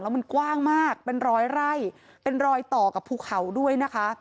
มันกว้างมากเป็นร้อยไร่เป็นรอยต่อกับภูเขาด้วยนะคะ